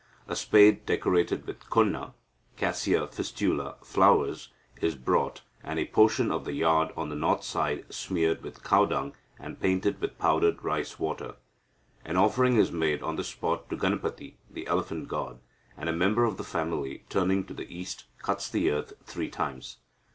A spade decorated with konna (Cassia Fistula) flowers, is brought, and a portion of the yard on the north side smeared with cow dung, and painted with powdered rice water. An offering is made on the spot to Ganapathi (the elephant god), and a member of the family, turning to the east, cuts the earth three times.